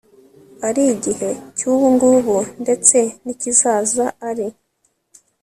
ari igihe cy'ubungubu ndetse n'ikizaza, ari